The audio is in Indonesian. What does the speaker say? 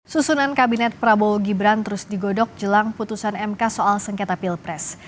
susunan kabinet prabowo gibran terus digodok jelang putusan mk soal sengketa pilpres